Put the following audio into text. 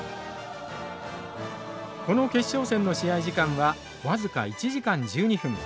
この決勝戦の試合時間は僅か１時間１２分。